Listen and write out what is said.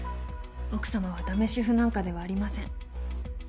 奥様はだめ主婦なんかではありません。